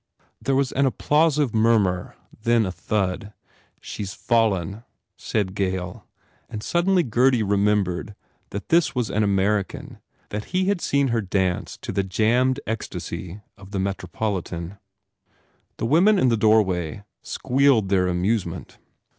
There was an applausive murmur then a thud. "She s fallen," said Gail and suddenly Gurdy remembered that this was an American, that he had seen her dance to the jammed ecstasy of the Metropolitan. The women in the doorway squealed their amusement.